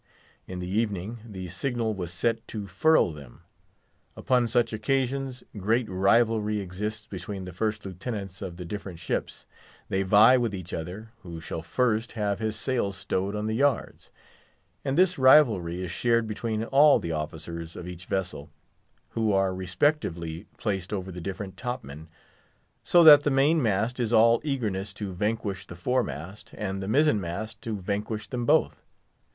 In the evening, the signal was set to furl them. Upon such occasions, great rivalry exists between the First Lieutenants of the different ships; they vie with each other who shall first have his sails stowed on the yards. And this rivalry is shared between all the officers of each vessel, who are respectively placed over the different top men; so that the main mast is all eagerness to vanquish the fore mast, and the mizzen mast to vanquish them both.